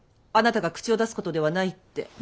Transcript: あなたが口を出すことではないって。